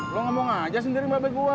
lo ngomong aja sendiri mbak be gua